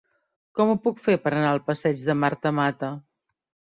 Com ho puc fer per anar al passeig de Marta Mata?